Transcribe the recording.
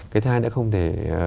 cái thứ hai nữa không thể